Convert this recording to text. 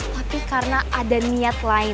tapi karena ada niat lain